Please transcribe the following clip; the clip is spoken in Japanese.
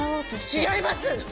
違います！